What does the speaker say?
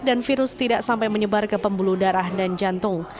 dan virus tidak sampai menyebar ke pembuluh darah dan jantung